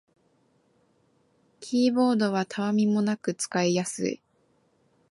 キーボードはたわみもなく使いやすい